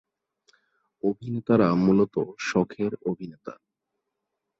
অভিনেতারা মূলত শখের অভিনেতা।